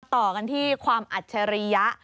ต่อกันที่ความอัจฉริยะ